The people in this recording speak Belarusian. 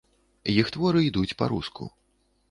Іх творы ідуць па-руску.